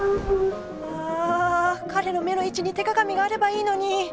彼の目の位置に手鏡があればいいのに」。